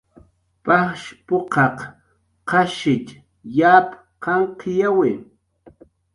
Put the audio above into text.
"Pajsh p""uqaq qashich yap qanqyawi "